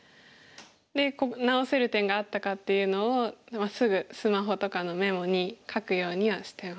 で直せる点があったかっていうのをすぐスマホとかのメモに書くようにはしてます。